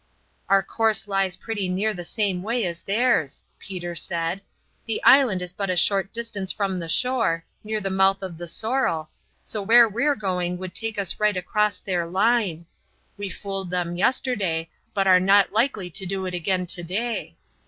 "Our course lies pretty near the same way as theirs," Peter said. "The island is but a short distance from the shore, near the mouth of the Sorrel, so where we're going would take us right across their line. We fooled them yesterday, but are not likely to do it again to day.